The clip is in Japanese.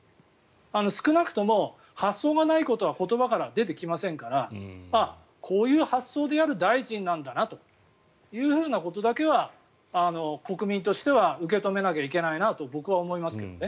少なくとも、発想がないことは言葉からは出てきませんからこういう発想である大臣なんだなということだけは国民としては受け止めなきゃいけないなと僕は思いますけどね。